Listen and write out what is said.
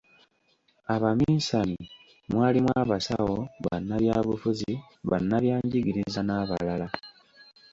"Abaminsani mwalimu abasawo, bannabyabufuzi, bannabyanjigiriza n’abalala."